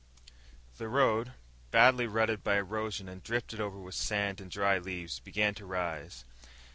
The road, badly rutted by erosion and drifted over with sand and dry leaves, began to rise.